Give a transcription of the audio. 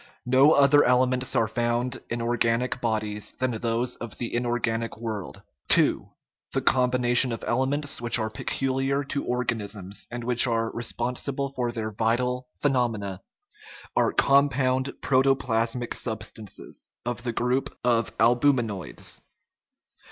No other elements are found in organic bodies than those of the inorganic world. II. The combinations of elements which are pecu liar to organisms, and which are responsible for their vital phenomena, are compound protoplasmic sub stances, of the group of albuminates.